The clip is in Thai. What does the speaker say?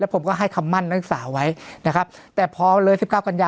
ผมก็ให้คำมั่นนักศึกษาไว้นะครับแต่พอเลยสิบเก้ากันยา